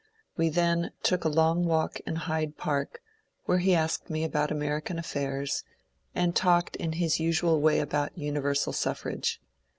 We then took a long walk in Hyde Park, where he asked me about American affairs, and talked in his usual way about universal suffrage.